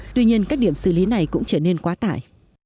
tuy nhiên các điểm xử lý này cũng trở nên quá tải